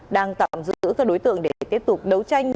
đang tạm giữ các đối tượng để tiếp tục đấu tranh